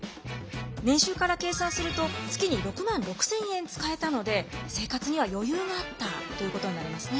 年収から計算すると月に６万６，０００円使えたので生活には余裕があったということになりますね。